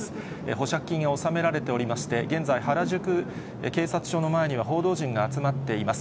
保釈金を納められておりまして、現在、原宿警察署の前には報道陣が集まっています。